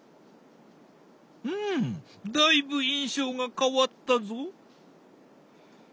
うんだいぶ印象が変わったぞ。